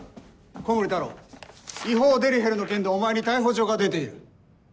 古森太郎違法デリヘルの件でお前に逮捕状が出ている。